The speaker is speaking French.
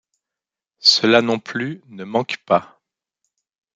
Cela non plus ne manque pas.